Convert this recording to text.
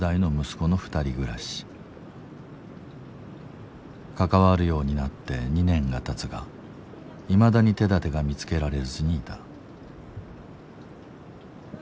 この家庭は関わるようになって２年がたつがいまだに手だてが見つけられずにいた。